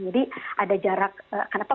jadi ada jarak kenapa